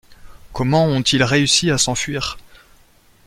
Comment ont-ils réussi à s’enfuir ?